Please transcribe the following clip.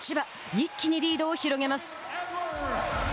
一気にリードを広げます。